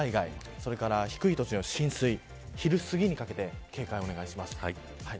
それから低い土地の浸水昼すぎにかけて警戒をお願いします。